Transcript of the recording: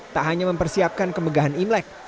tak hanya mempersiapkan kemegahan imlek